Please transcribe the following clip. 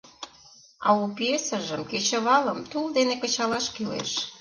А у пьесыжым кечывалым тул дене кычалаш кӱлеш.